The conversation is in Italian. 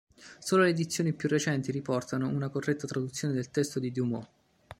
Solo le edizioni più recenti riportano una corretta traduzione del testo di Dumas.